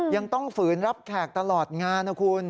ยังต้องฝืนรับแขกตลอดงานนะคุณ